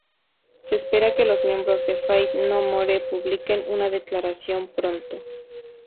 Se espera que los miembros de Faith No More publiquen una declaración pronto.